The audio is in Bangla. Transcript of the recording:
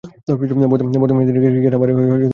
বর্তমানে তিনি ক্রিকেট আম্পায়ারের দায়িত্ব পালন করছেন।